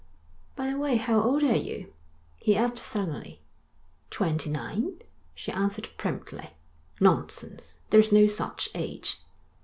'By the way, how old are you?' he asked suddenly. 'Twenty nine,' she answered promptly. 'Nonsense. There is no such age.'